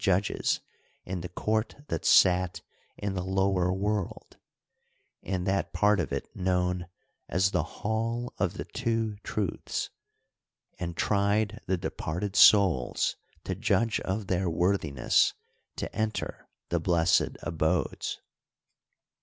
judges in the court that sat in the Lower World — in that part of it known as the " hall of the two truths "— and tried the departed souls to judge of their worthiness to enter the blessed abodes.